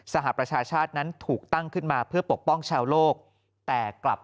หประชาชาตินั้นถูกตั้งขึ้นมาเพื่อปกป้องชาวโลกแต่กลับ